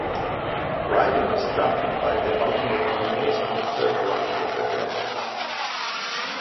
Riley was drafted by the Baltimore Orioles in the third round of the draft.